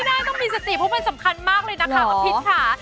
ไม่ได้ต้องมีสติเพราะมันสำคัญมากเลยนะคะอภิษค่ะ